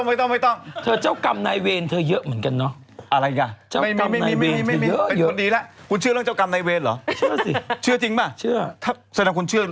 เป็นกว่าผู้หญิงที่ผมเคยทำเขาเสียใจ